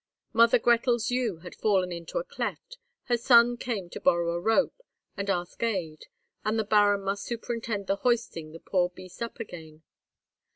Mother Grethel's ewe had fallen into a cleft; her son came to borrow a rope, and ask aid, and the Baron must superintend the hoisting the poor beast up again.